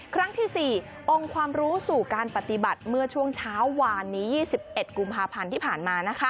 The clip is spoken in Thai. ครั้งที่๔องค์ความรู้สู่การปฏิบัติเมื่อช่วงเช้าวานนี้๒๑กุมภาพันธ์ที่ผ่านมา